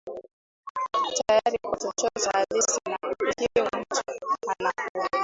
tayari kwa chochote halisi Na ikiwa mtu anakuwa